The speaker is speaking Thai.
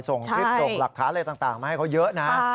ส่งคลิปส่งหลักฐานอะไรต่างมาให้เขาเยอะนะ